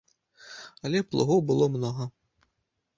Але плугоў было многа.